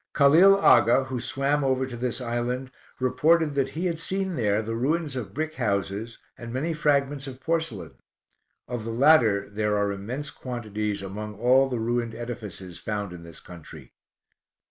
Khalil Aga, who swam over to this island, reported that he had seen there the ruins of brick houses, and many fragments of porcelain; of the latter there are immense quantities among all the ruined edifices found in this country.